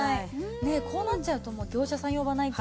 ねえこうなっちゃうともう業者さん呼ばないと。